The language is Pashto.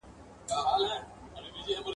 زموږ پر کور باندي نازل دومره لوی غم دی !.